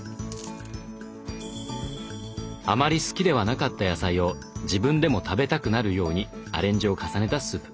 あまり好きではなかった野菜を自分でも食べたくなるようにアレンジを重ねたスープ。